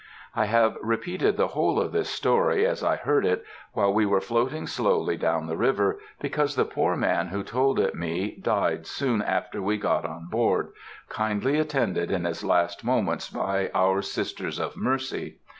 I have repeated the whole of this story as I heard it, while we were floating slowly down the river, because the poor man who told it me died soon after we got on board, kindly attended in his last moments by our Sisters of Mercy.